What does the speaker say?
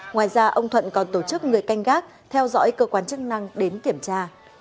ngoài ra ông thuận còn tổ chức người canh gác theo dõi cơ quan chức năng đến kiểm tra